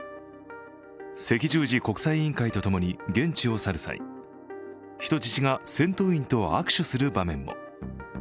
赤十字国際委員会と共に現地を去る際、人質が戦闘員と握手する場面も。